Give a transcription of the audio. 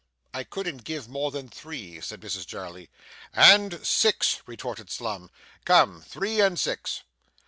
'I couldn't give more than three,' said Mrs Jarley. ' And six,' retorted Slum. 'Come. Three and six.